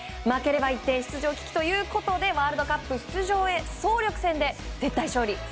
負ければ一転出場危機ということでワールドカップ出場へ総力戦で絶対勝利。